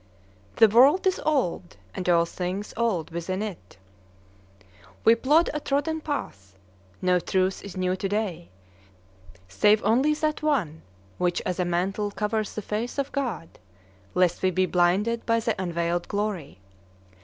"The world is old, and all things old within it." We plod a trodden path. No truth is new to day, save only that one which as a mantle covers the face of God, lest we be blinded by the unveiled glory.